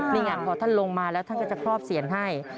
นี่ไงพอท่านลงมาแล้วท่านก็จะครอบเสียนให้